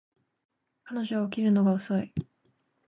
彼女は起きるのが遅い